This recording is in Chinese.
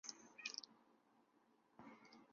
他同时也曾经被授予骑士铁十字勋章。